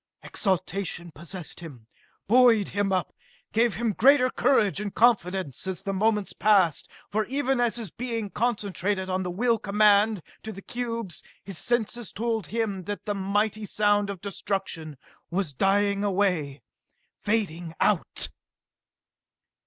Exultation possessed him, buoyed him up, gave him greater courage and confidence as the moments passed for even as all his being concentrated on the will command to the cubes, his senses told him that the mighty sound of destruction was dying away, fading out.